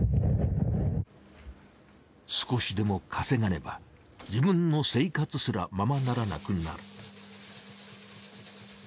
少しでも稼がねば自分の生活すらままならなくなる。